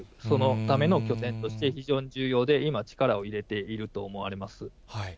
そのための拠点として非常に重要で、今、力を入れていると思われます。